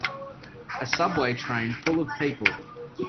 A subway train full of people.